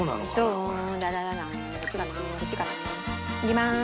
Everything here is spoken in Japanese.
いきまーす。